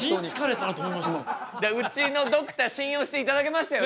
うちのドクター信用していただけましたよね？